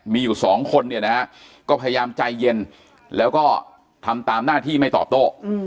มีอยู่สองคนเนี่ยนะฮะก็พยายามใจเย็นแล้วก็ทำตามหน้าที่ไม่ตอบโต้